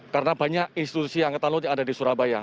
karena banyak institusi angkatan laut yang ada di surabaya